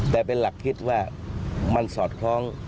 แต่เป็นหลักคิดว่ามันสอดคล้อง